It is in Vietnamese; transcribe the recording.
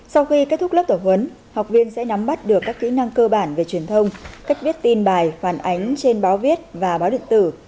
sau khi kết thúc lớp tập huấn học viên sẽ nắm bắt được các kỹ năng cơ bản về truyền thông cách viết tin bài phản ánh trên báo viết và báo điện tử